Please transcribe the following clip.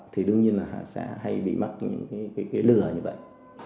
thì đương nhiên là sẽ hay bị mắc những cái lừa như vậy